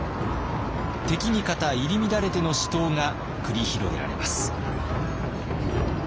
敵味方入り乱れての死闘が繰り広げられます。